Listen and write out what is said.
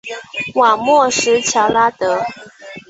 瓦莫什乔拉德。